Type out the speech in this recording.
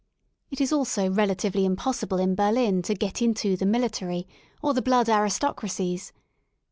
It is also relatively impos I / sible in Berlin to get into " the military, or the blood •>' aristocracies.